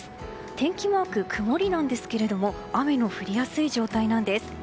天気マークは曇りなんですが雨の降りやすい状態なんです。